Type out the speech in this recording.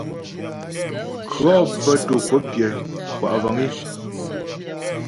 Kʉɔ̌ bə́ tǒ kwəp pyə̌ kwa' vəŋ é.